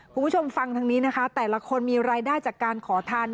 คุณผู้ชมฟังทางนี้นะคะแต่ละคนมีรายได้จากการขอทาน